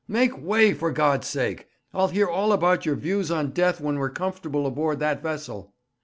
Make way, for God's sake! I'll hear all about your views on death when we're comfortable aboard that vessel.'